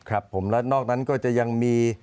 แล้วนอกนั้นก็จะยังมี